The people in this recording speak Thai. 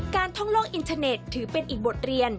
ท่องโลกอินเทอร์เน็ตถือเป็นอีกบทเรียน